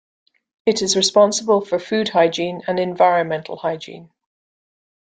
It is responsible for food hygiene and environmental hygiene.